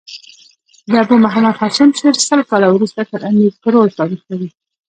د ابو محمد هاشم شعر سل کاله وروسته تر امیر کروړ تاريخ لري.